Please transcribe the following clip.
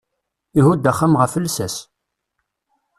Ihudd axxam ɣef llsas.